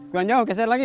jauhan jauh keser lagi